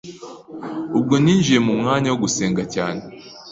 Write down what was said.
Ubwo ninjiye mu mwanya wo gusenga cyane